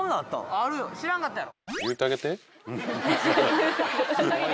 知らんかったやろ。